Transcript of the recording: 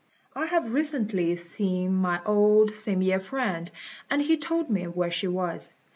I have recently seen my old same year friend, and he told me where she was.